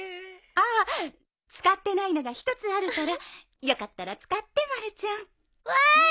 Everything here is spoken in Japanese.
ああ使ってないのが１つあるからよかったら使ってまるちゃん。わい！